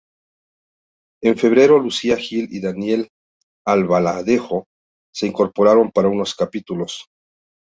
En febrero Lucía Gil y Daniel Albaladejo se incorporaron para unos capítulos.